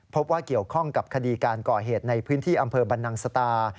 พบว่าเกี่ยวข้องกับคดีการก่อเหตุในพื้นที่อำเภอบรรนังสตา